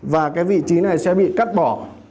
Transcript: và cái vị trí này sẽ bị cắt bỏ